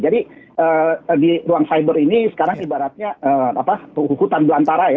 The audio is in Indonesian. jadi di ruang cyber ini sekarang ibaratnya hutan belantara ya